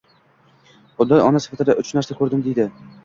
Undan ona sifatida uch narsa ko'rdim deydi: